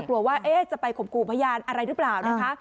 กลัวว่าจะไปข่มขู่พยานอะไรหรือเปล่านะคะ